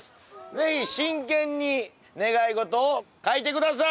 ぜひ真剣に願い事を書いてください！